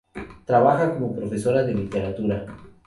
Trabaja como profesora de literatura.